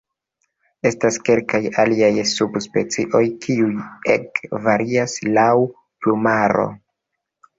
Estas kelkaj aliaj subspecioj kiuj ege varias laŭ plumaro.